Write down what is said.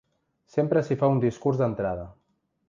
I sempre s’hi fa un discurs d’entrada.